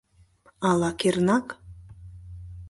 Ала кернак?